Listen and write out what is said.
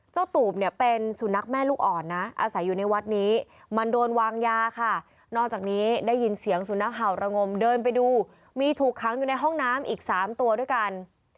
ตูบเนี่ยเป็นสุนัขแม่ลูกอ่อนนะอาศัยอยู่ในวัดนี้มันโดนวางยาค่ะนอกจากนี้ได้ยินเสียงสุนัขเห่าระงมเดินไปดูมีถูกค้างอยู่ในห้องน้ำอีก๓ตัวด้วยกัน